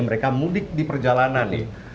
mereka mudik di perjalanan nih